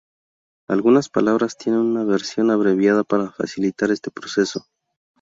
Algunas palabras tienen una versión abreviada para facilitar este proceso.